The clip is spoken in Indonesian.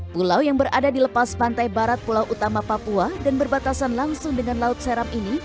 pulau yang berada di lepas pantai barat pulau utama papua dan berbatasan langsung dengan laut seram ini